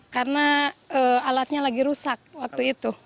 karena alatnya lagi rusak waktu itu